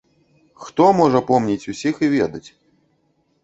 Хто можа помніць усіх і ведаць?!.